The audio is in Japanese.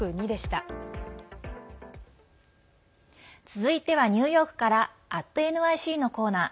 続いてはニューヨークから「＠ｎｙｃ」のコーナー。